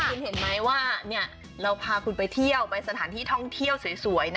คุณเห็นไหมว่าเราพาคุณไปเที่ยวไปสถานที่ท่องเที่ยวสวยนะ